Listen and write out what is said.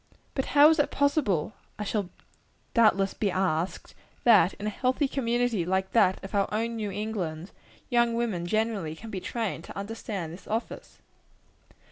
But how is it possible, I shall doubtless be asked, that in a healthy community like that of our own New England, young women generally can be trained to understand this office?